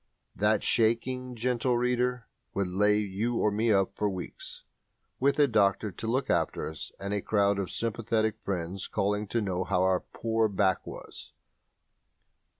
That "shaking", gentle reader, would lay you or me up for weeks, with a doctor to look after us and a crowd of sympathetic friends calling to know how our poor back was.